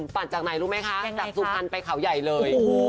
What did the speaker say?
ปั่นจากไหนรู้ไหมคะจากสุพรรณไปเขาใหญ่เลย